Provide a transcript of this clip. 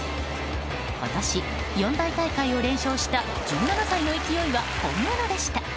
今年、四大大会を連勝した１７歳の勢いは本物でした。